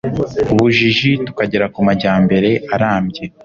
bujiji tukagera ku majyambere arambye